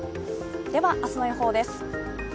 では明日の予報です。